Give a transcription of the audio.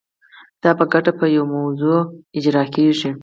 دا په ګډه په یوه موضوع اجرا کیږي.